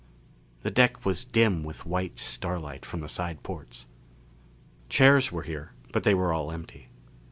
The deck was dim with white starlight from the side ports. Chairs were here but they were all empty.